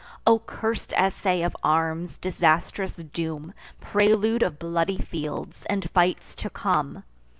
O curst essay of arms, disastrous doom, Prelude of bloody fields, and fights to come!